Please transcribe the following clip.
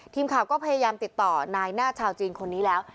ทีมข่าวก็พยายามติดต่อนายหน้าชาวจีนคนนี้แล้ว